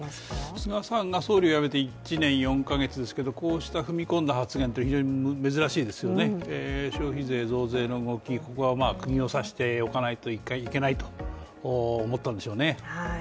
菅さんが総理をやめて１年４か月ですけどこうした踏み込んだ発言は非常に珍しいですよね、消費税増税の動き、ここは一回、くぎを刺しておかないといけないと思ったんでしょうね。